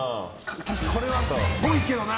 確かにこれはっぽいけどな。